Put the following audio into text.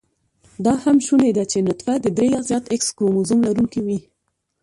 دا هم شونې ده چې نطفه د درې يا زیات x کروموزم لرونېکې وي